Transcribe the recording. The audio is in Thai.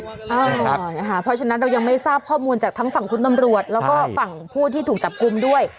เพราะฉะนั้นเรายังไม่ทราบข้อมูลจากทั้งฝั่งคุณตำรวจแล้วก็ฝั่งผู้ที่ถูกจับกลุ่มด้วย